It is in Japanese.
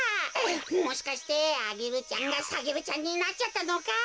もしかしてアゲルちゃんがサゲルちゃんになっちゃったのか？